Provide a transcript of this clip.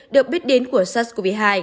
được biết đến của sars cov hai